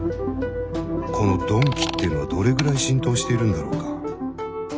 この「鈍器」ってのはどれぐらい浸透しているんだろうか？